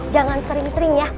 jangan kering kering ya